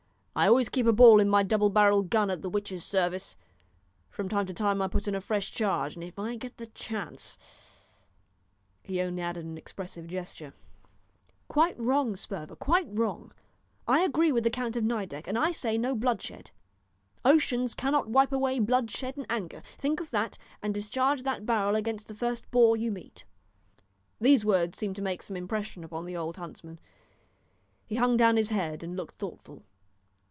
I always keep a ball in my double barrelled gun at the witch's service; from time to time I put in a fresh charge, and if I get the chance " He only added an expressive gesture. "Quite wrong, Sperver, quite wrong. I agree with the Count of Nideck, and I say no bloodshed. Oceans cannot wipe away blood shed in anger. Think of that, and discharge that barrel against the first boar you meet." These words seemed to make some impression upon the old huntsman; he hung down his head and looked thoughtful.